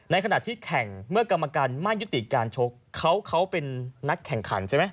ขณะที่แข่งเมื่อกรรมการไม่ยุติการชกเขาเป็นนักแข่งขันใช่ไหม